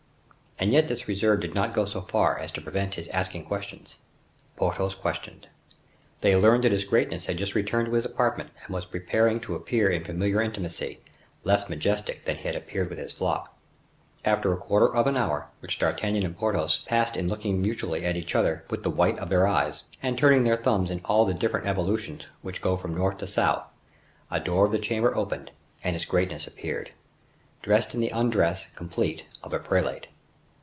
And yet this reserve did not go so far as to prevent his asking questions. Porthos questioned. They learned that His Greatness had just returned to his apartment and was preparing to appear in familiar intimacy, less majestic than he had appeared with his flock. After a quarter of an hour, which D'Artagnan and Porthos passed in looking mutually at each other with the white of their eyes, and turning their thumbs in all the different evolutions which go from north to south, a door of the chamber opened and His Greatness appeared, dressed in the undress, complete, of a prelate.